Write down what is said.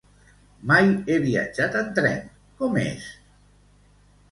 Mai he viatjat en tren, com és?